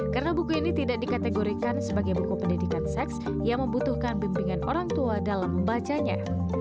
karena buku ini tidak dikategorikan sebagai buku pendidikan seks yang membutuhkan bimbingan orang tua dalam membacanya